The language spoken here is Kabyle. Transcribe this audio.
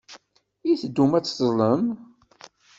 I teddum ad teẓẓlem?